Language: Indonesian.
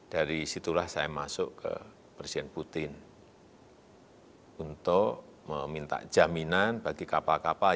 dari situlah saya masuk ke presiden putin untuk meminta jaminan bagi kapal kapal